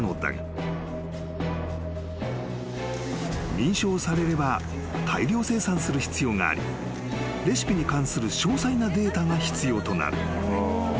［認証されれば大量生産する必要がありレシピに関する詳細なデータが必要となる］